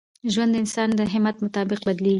ژوند د انسان د همت مطابق بدلېږي.